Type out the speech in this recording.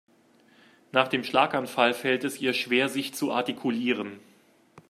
Nach dem Schlaganfall fällt es ihr schwer sich zu artikulieren.